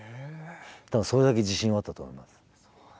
だからそれだけ自信はあったと思います。